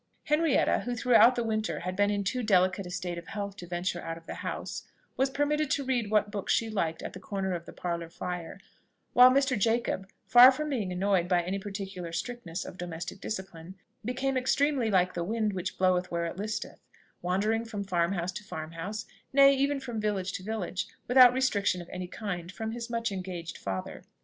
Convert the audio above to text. Henrietta, who throughout the winter had been in too delicate a state of health to venture out of the house, was permitted to read what books she liked at the corner of the parlour fire; while Mr. Jacob, far from being annoyed by any particular strictness of domestic discipline, became extremely like the wind which bloweth where it listeth, wandering from farm house to farm house nay, even from village to village, without restriction of any kind from his much engaged father.